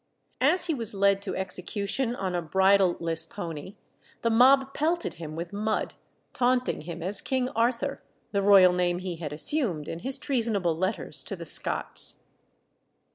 As he was led to execution on a bridleless pony, the mob pelted him with mud, taunting him as King Arthur the royal name he had assumed in his treasonable letters to the Scots.